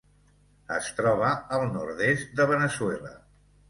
Es troba al nord-est de Veneçuela.